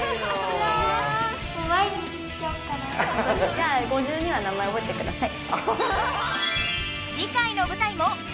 じゃあ５２羽名前おぼえてください。